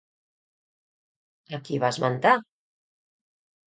A qui va esmentar?